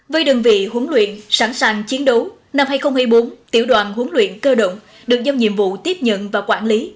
với đơn vị huấn luyện sẵn sàng chiến đấu năm hai nghìn hai mươi bốn tiểu đoàn huấn luyện cơ động được do nhiệm vụ tiếp nhận và quản lý